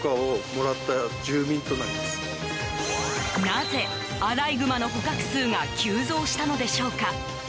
なぜ、アライグマの捕獲数が急増したのでしょうか？